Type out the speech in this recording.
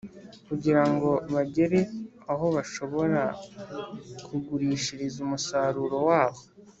kugirango bagere aho bashobora kugurishiriza umusaruro wabo.